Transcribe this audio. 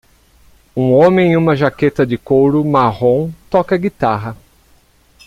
Um homem em uma jaqueta de couro marrom toca guitarra